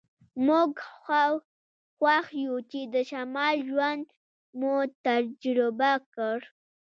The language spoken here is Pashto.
موږ خوښ یو چې د شمال ژوند مو تجربه کړ